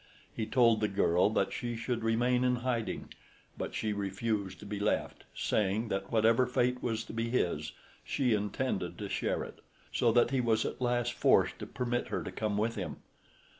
He told the girl that she should remain in hiding; but she refused to be left, saying that whatever fate was to be his, she intended to share it, so that he was at last forced to permit her to come with him.